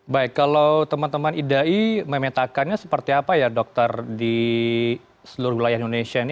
baik kalau teman teman idai memetakannya seperti apa ya dokter di seluruh wilayah indonesia ini